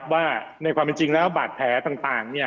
ว่าในความเป็นจริงแล้วบาดแผลต่าง